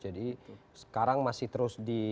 jadi sekarang masih terus di